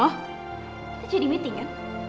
kita jadi meeting kan